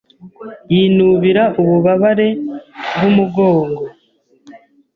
yinubira ububabare bw'umugongo.